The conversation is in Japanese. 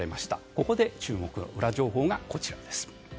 ここで注目のウラ情報がこちらです。